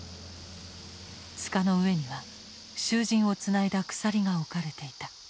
塚の上には囚人をつないだ鎖が置かれていた。